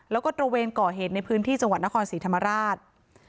แล้วก็ตระเวนก่อเหตุในพื้นที่จังหวัดนครศรีธรรมราช